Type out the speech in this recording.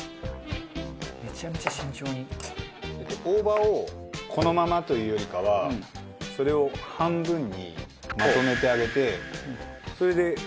大葉をこのままというよりかはそれを半分にまとめてあげてそれで。